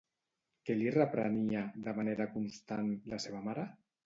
Què li reprenia, de manera constant, la seva mare?